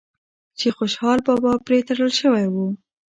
چې خوشحال بابا پرې تړل شوی و